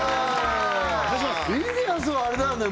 インディアンスはあれだよね